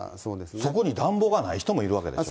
そこに暖房がない人もいるわけでしょ。